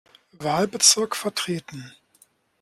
Wahlbezirk vertreten.